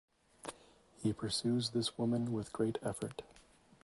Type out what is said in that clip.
He pursues this woman with great effort.